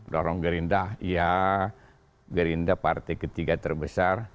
dorong gerinda ya gerinda partai ketiga terbesar